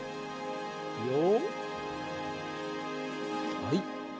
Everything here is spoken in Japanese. はい。